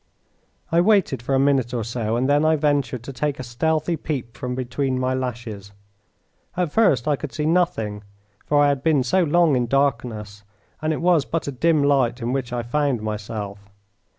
I waited for a minute or so and then I ventured to take a stealthy peep from between my lashes. At first I could see nothing, for I had been so long in darkness and it was but a dim light in which I found myself.